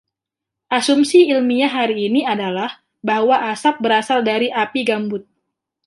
Asumsi ilmiah hari ini adalah bahwa asap berasal dari api gambut.